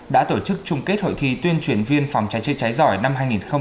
đã tổ chức chung kết hội thi tuyên truyền viên phòng trái trợ cháy giỏi năm hai nghìn một mươi năm